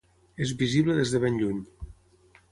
És visible des de ben lluny.